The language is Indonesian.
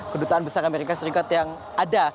kedutaan besar amerika serikat yang ada